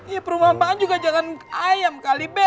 ya perumpamaan juga jangan ayam kali b